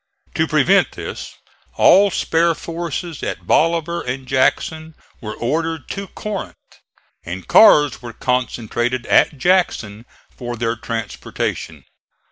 To prevent this all spare forces at Bolivar and Jackson were ordered to Corinth, and cars were concentrated at Jackson for their transportation.